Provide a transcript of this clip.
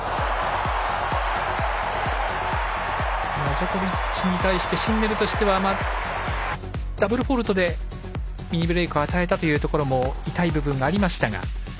ジョコビッチに対してシンネルとしてはダブルフォールトでミニブレークを与えたところも痛い部分がありましたが。